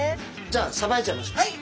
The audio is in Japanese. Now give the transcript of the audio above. じゃあさばいちゃいましょう。